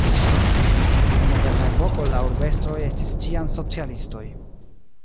En moderna epoko la urbestroj estis ĉiam socialistoj.